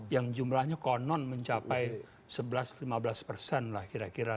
yang jumlahnya konon mencapai sebelas lima belas persen lah kira kira